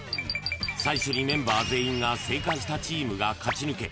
［最初にメンバー全員が正解したチームが勝ち抜け］